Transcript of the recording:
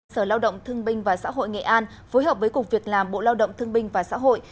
sở lao động thương binh và xã hội nghệ an phối hợp với cục việc làm bộ lao động thương binh và xã hội